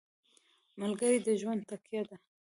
ملګری د ژوند تکیه ده.